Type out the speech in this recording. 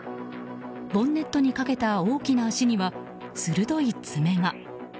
ボンネットにかけた大きな足には鋭い爪が。